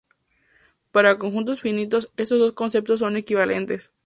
Para conjuntos finitos, estos dos conceptos son equivalentes.